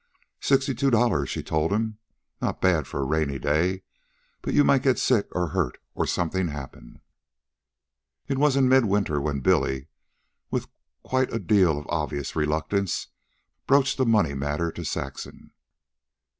"Sixty two dollars," she told him. "Not so bad for a rainy day. You might get sick, or hurt, or something happen." It was in mid winter, when Billy, with quite a deal of obvious reluctance, broached a money matter to Saxon.